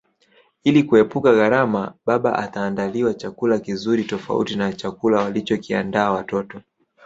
Ili kuepuka gharama baba ataandaliwa chakula kizuri tofauti na chakula walichoandaliwa watoto